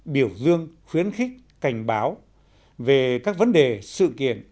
biểu dương khuyến khích cảnh báo về các vấn đề sự kiện